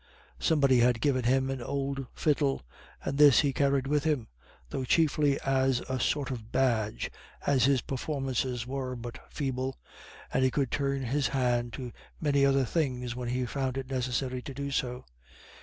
Somebody had given him an old fiddle, and this he carried with him, though chiefly as a sort of badge, as his performances were but feeble, and he could turn his hand to many other things when he found it necessary to do so.